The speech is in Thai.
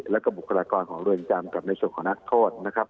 แล้วก็บุคลากรของเรือนจำกับในส่วนของนักโทษนะครับ